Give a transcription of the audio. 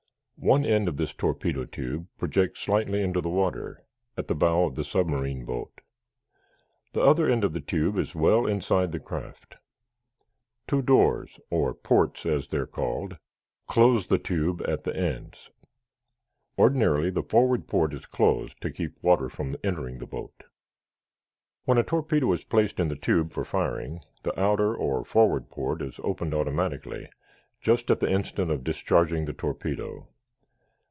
One end of this torpedo tube projects slightly into the water, at the bow of the submarine boat. The other end of the tube is well inside the craft. Two doors, or "ports," as they are called, close the tube at the ends. Ordinarily the forward port is closed, to keep water from entering the boat. When a torpedo is placed in the tube for firing, the outer or forward port is opened automatically just at the instant of discharging the torpedo.